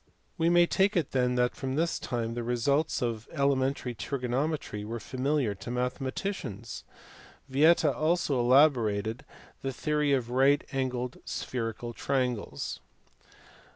We may take it then that from this time the results of elementary trigonometry were familiar to mathematicians. Vieta also elaborated the theory of right angled spherical triangles.